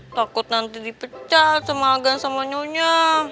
takut nanti dipecat sama agan sama nyonya